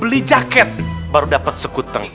beli jaket baru dapat sekutung